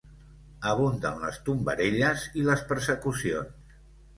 Abunden les tombarelles i les persecucions.